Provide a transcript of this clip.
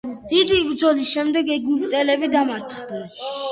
დიდი ბრძოლის შემდეგ ეგვიპტელები დამარცხდნენ.